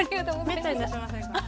めったに出しませんから。